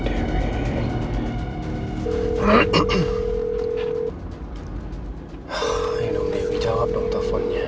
ah yang nung dewi jawab nung teleponnya